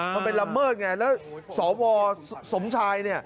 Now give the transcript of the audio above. มันเป็นละเมิดไงแล้วสวสมชายเนี่ย